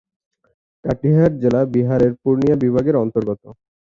কাটিহার জেলা বিহারের পূর্ণিয়া বিভাগের অন্তর্গত।